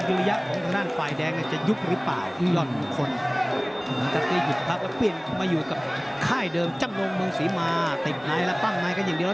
ทุกอย่างนี้ใกล้เคียงกันหมดเลย